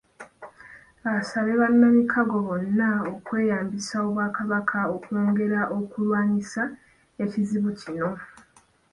Asabye bannamikago bano okweyambisa Obwakabaka okwongera okulwanyisa ekizibu kino.